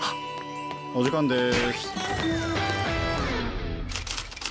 お時間です。